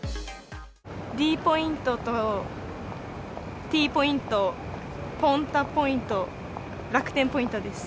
ｄポイントとＴポイント、ポンタポイント、楽天ポイントです。